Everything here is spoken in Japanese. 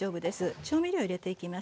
調味料入れていきます。